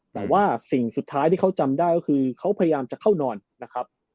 แต่ว่าสิ่งสุดท้ายที่เขาจำได้ก็คือเขาพยายามจะเข้านอนนะครับ